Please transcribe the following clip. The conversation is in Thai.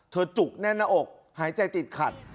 เธอจุกแน่นออกหายใจติดขัด